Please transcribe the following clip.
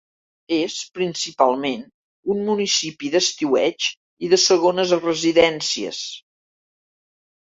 És, principalment, un municipi d'estiueig i de segones residències.